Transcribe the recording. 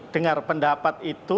dengar pendapat itu